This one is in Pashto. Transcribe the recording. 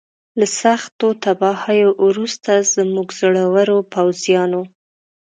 له سختو تباهیو وروسته زموږ زړورو پوځیانو.